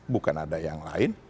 bukan ada yang lain